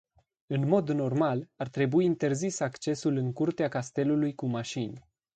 În mod normal, ar trebui interzis accesul în curtea castelului cu mașini.